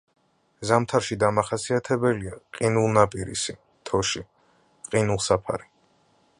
ზამთარში დამახასიათებელია ყინულნაპირისი, თოში, ყინულსაფარი.